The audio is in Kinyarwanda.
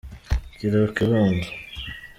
Kira kibondo.